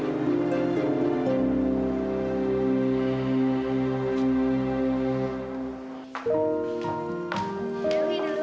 aku juga bisa berhubung dengan kamu